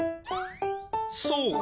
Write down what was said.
そう！